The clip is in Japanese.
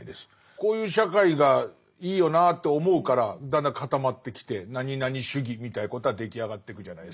こういう社会がいいよなって思うからだんだん固まってきて何々主義みたいなことは出来上がってくじゃないですか。